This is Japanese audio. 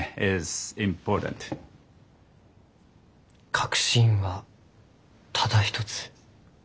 「核心はただ一つ」。